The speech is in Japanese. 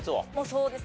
そうです